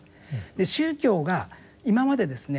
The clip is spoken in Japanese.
宗教が今までですね